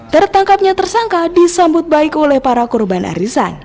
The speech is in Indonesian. tertangkapnya tersangka disambut baik oleh para korban arisan